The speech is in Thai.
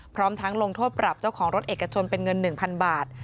พร้อมทั้งลงโทษปรับเจ้าของรถเอกชนเป็นเงิน๑๐๐๐บาท